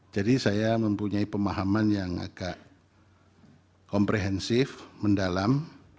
jadi saya mempunyai pemahaman yang agak komprehensif mendalam